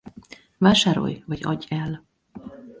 Vásárolj vagy adj el!